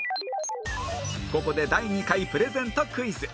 ここで第２回プレゼントクイズ